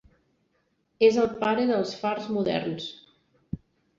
És el pare dels fars moderns.